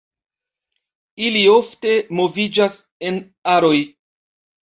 Ili ofte moviĝas en aroj.